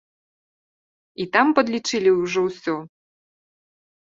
І там падлічылі ўжо ўсё?